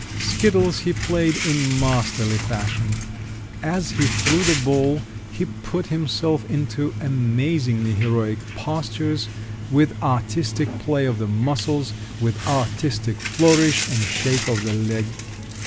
Skittles he played in masterly fashion; as he threw the ball, he put himself into amazingly heroic postures, with artistic play of the muscles, with artistic flourish and shake of the leg.